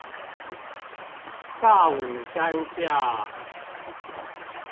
大武山下